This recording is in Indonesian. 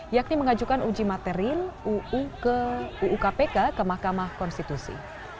yakni mengajukan uji materin uu kpk ke mahkamah konstitusi